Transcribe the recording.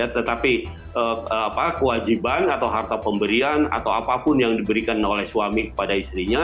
tetapi kewajiban atau harta pemberian atau apapun yang diberikan oleh suami kepada istrinya